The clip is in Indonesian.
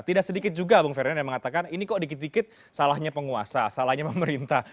tidak sedikit juga bung ferdinand yang mengatakan ini kok dikit dikit salahnya penguasa salahnya pemerintah